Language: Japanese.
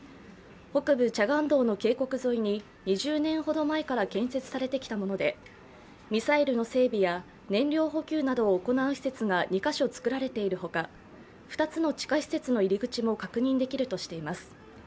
北部・チャガンドの渓谷沿いに２０年ほど前から建設されてきたものでミサイルの整備や燃料補給などを行う施設が２カ所作られているほか、２つの地下施設への入口も確認できるとしています。